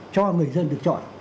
cho người dân được chọn